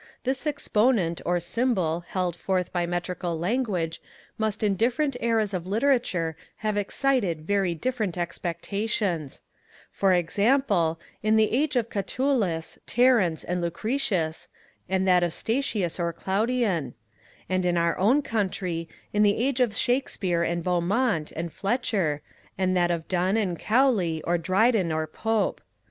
This exponent or symbol held forth by metrical language must in different eras of literature have excited very different expectations: for example, in the age of Catullus, Terence, and Lucretius, and that of Statius or Claudian; and in our own country, in the age of Shakespeare and Beaumont and Fletcher, and that of Donne and Cowley, or Dryden, or Pope.